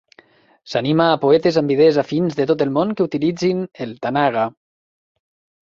S'anima a poetes amb idees afins de tot el món que utilitzin el Tanaga.